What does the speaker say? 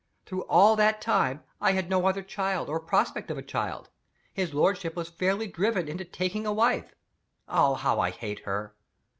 Through all that time, I had no other child or prospect of a child. His lordship was fairly driven into taking a wife. Ah, how I hate her!